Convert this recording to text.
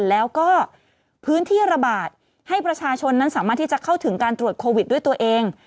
แล้วก็พื้นที่ระบาดให้ประชาชนนั้นสามารถที่จะเข้าถึงการตรวจโควิดด้วยตัวเอง